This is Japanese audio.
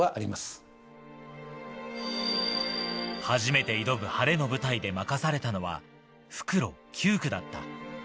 初めて挑む晴れの舞台で任されたのは復路９区だった。